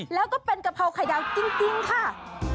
แล้วก็เป็นกะเพราไข่ดาวจริงค่ะ